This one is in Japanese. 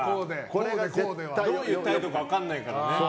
どういう態度か分からないから。